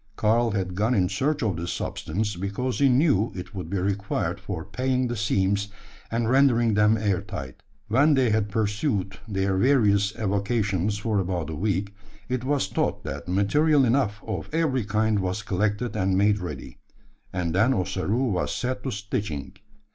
Karl had gone in search of this substance, because he knew it would be required for paying the seams, and rendering them air tight. When they had pursued their various avocations for about a week, it was thought that material enough of every kind was collected and made ready; and then Ossaroo was set to stitching.